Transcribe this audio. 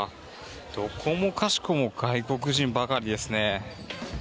どこもかしこも外国人ばかりです